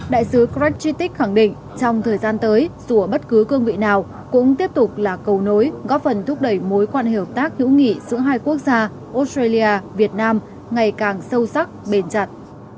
đại sứ cred chitic khẳng định trong thời gian tới dù ở bất cứ cương vị nào cũng tiếp tục là cầu nối góp phần thúc đẩy mối quan hệ hợp tác hữu nghị giữa hai quốc gia australia việt nam ngày càng sâu sắc bền chặt